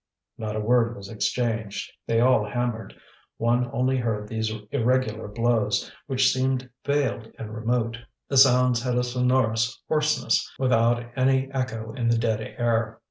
Not a word was exchanged. They all hammered; one only heard these irregular blows, which seemed veiled and remote. The sounds had a sonorous hoarseness, without any echo in the dead air.